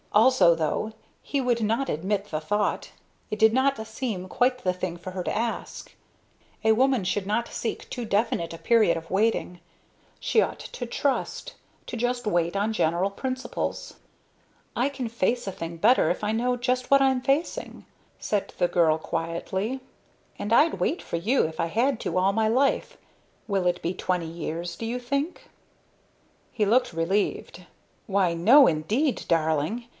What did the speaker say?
Also, though he would not admit the thought, it did not seem quite the thing for her to ask. A woman should not seek too definite a period of waiting. She ought to trust to just wait on general principles. "I can face a thing better if I know just what I'm facing," said the girl, quietly, "and I'd wait for you, if I had to, all my life. Will it be twenty years, do you think?" He looked relieved. "Why, no, indeed, darling.